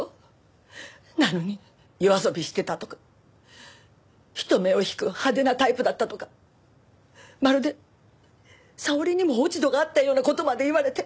なのに夜遊びしてたとか人目を引く派手なタイプだったとかまるで沙織にも落ち度があったような事まで言われて。